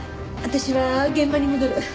私は現場に戻る。